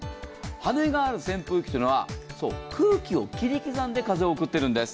羽根がある扇風機は空気を切り刻んで風を送っているんです。